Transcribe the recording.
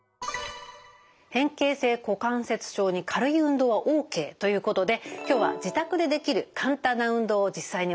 変形性股関節症に軽い運動はＯＫということで今日は自宅でできる簡単な運動を実際に教えていただきます。